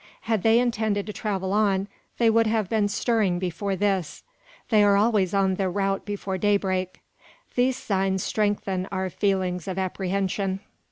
Had they intended to travel on, they would have been stirring before this. They are always on the route before daybreak. These signs strengthen our feelings of apprehension.